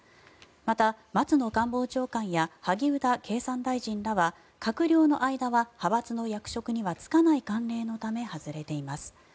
また、松野官房長官や萩生田経産大臣らは閣僚の間は派閥の役職には就かない慣例のため外れています。